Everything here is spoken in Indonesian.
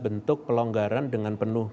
bentuk pelonggaran dengan penuh